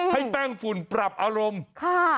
ให้แป้งฝุ่นปรับอารมณ์ค่ะ